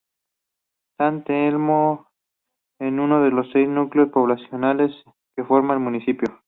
San Telmo es uno de los seis núcleos poblacionales que forman el municipio.